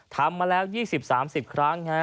ทำมาแล้ว๒๐๓๐ครั้ง